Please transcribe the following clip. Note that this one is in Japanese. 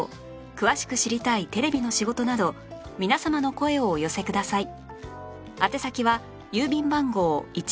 詳しく知りたいテレビの仕事など皆様の声をお寄せください